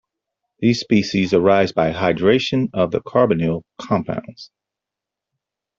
These species arise by hydration of the carbonyl compounds.